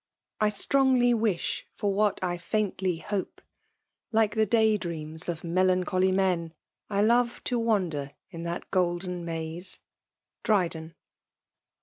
^ I strongly wish for what I faintly hope ;^ like the day dreams of melancholy tnen, I love to wander in that golden mace." Dbtdbw.